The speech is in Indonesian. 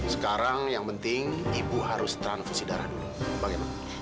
sekarang yang penting ibu harus transfusi darah dulu bagaimana